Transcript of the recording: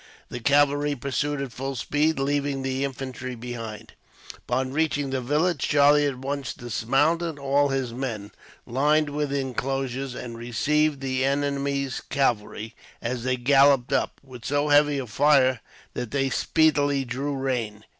The cavalry pursued at full speed, leaving the infantry behind. Upon reaching the village, Charlie at once dismounted all his men, lined the inclosures, and received the enemy's cavalry, as they galloped up, with so heavy a fire that they speedily drew rein.